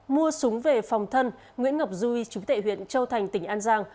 mua súng về phòng thân nguyễn ngọc duy chú tệ huyện châu thành tỉnh an giang